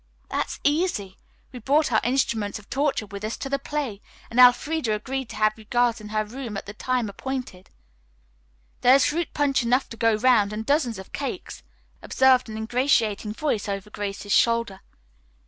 "That's easy. We brought our instruments of torture with us to the play, and Elfreda agreed to have you girls in her room at the time appointed." "There is fruit punch enough to go round, and dozens of cakes," observed an ingratiating voice over Grace's shoulder.